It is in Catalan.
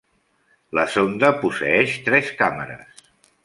La sonda posseeix tres càmeres.